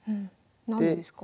何でですか？